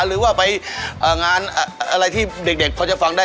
หรือว่าไปงานอะไรที่เด็กเขาจะฟังได้